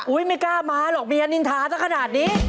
อุ๊ยไม่กล้ามาหรอกมีอานินทาซะขนาดนี้